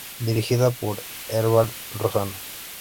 Dirigida por Herval Rossano.